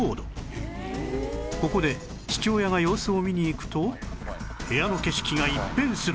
ここで父親が様子を見に行くと部屋の景色が一変する